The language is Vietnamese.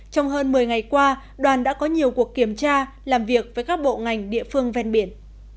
trong hơn một mươi ngày qua đoàn đã có nhiều cuộc kiểm tra làm việc với các bộ ngành địa phương ven biển